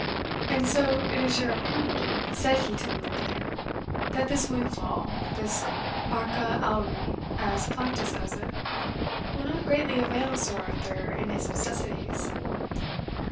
"And so it is your opinion," said he to the mendicant, "that this windfall this arca auri, as Plautus has it, will not greatly avail Sir Arthur in his necessities?"